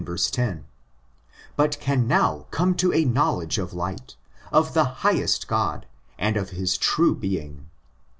10); but can now come to a knowledge of light, of the highest God, and of his true being.